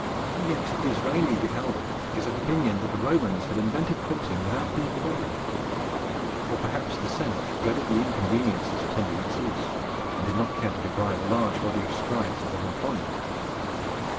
Yet Disraeli the elder is of opinion that the Romans had invented printing without being aware of it; or perhaps the senate dreaded the inconveniences attending its use, and did not care to deprive a large body of scribes of their employment.